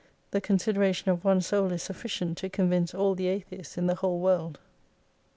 The con sideration of one Soul is sufficient to convince all the Atheists in the whole world.